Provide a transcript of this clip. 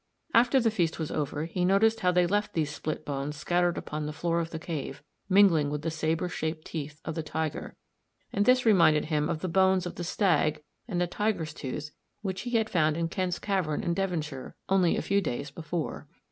After the feast was over he noticed how they left these split bones scattered upon the floor of the cave mingling with the sabre shaped teeth of the tiger, and this reminded him of the bones of the stag and the tiger's tooth which he had found in Kent's Cavern in Devonshire only a few days before.